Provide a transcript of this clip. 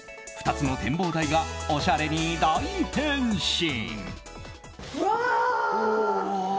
２つの展望台がおしゃれに大変身。